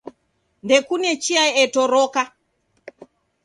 Ndekune chia etoroka.